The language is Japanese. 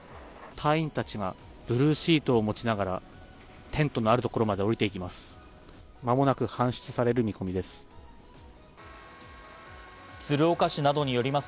隊員たちがブルーシートを持ちながらテントのある所まで下りていきます。